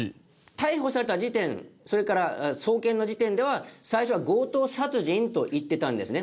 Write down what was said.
逮捕された時点それから送検の時点では最初は強盗殺人といってたんですね。